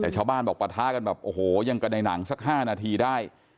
แต่ชาวบ้านบอกปะทะกันแบบโอ้โหยังกระในหนังสัก๕นาทีได้